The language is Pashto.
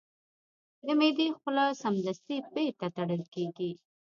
د معدې خوله سمدستي بیرته تړل کېږي.